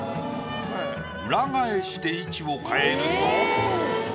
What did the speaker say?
裏返して位置を変えると。